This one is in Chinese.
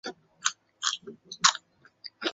城墙有二至三层的跑马道。